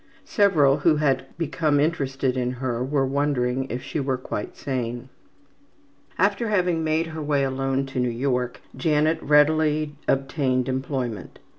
Several who had become interested in her were wondering if she were quite sane. After having made her way alone to New York, Janet readily obtained employment.